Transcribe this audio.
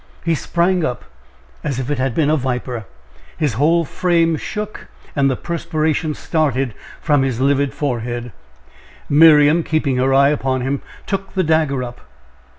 He sprang up as if it had been a viper his whole frame shook, and the perspiration started from his livid forehead. Miriam, keeping her eye upon him, took the dagger up.